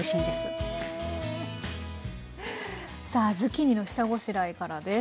さあズッキーニの下ごしらえからです。